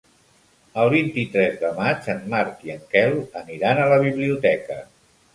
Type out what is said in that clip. El vint-i-tres de maig en Marc i en Quel aniran a la biblioteca.